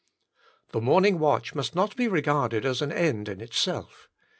The morning watch must not be regarded as an end in itself.